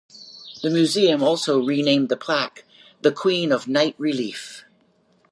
The Museum also renamed the plaque the "Queen of the Night Relief".